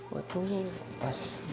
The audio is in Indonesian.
waktu ini pas